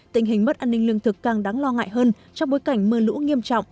tình hình mất an ninh lương thực càng đáng lo ngại hơn trong bối cảnh mưa lũ nghiêm trọng